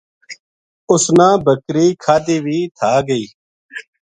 اس نا بکری کھادی وی تھا گئی